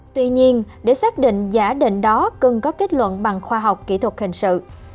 tuy nhiên để xác định giả định đó cần có kết luận bằng khoa học kỹ thuật hình sự